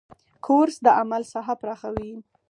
کورس د عمل ساحه پراخوي.